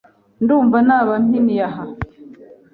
Ndumva naba mpiniye aha,